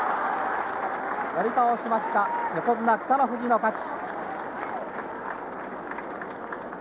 寄り倒しました横綱北の富士の勝ち。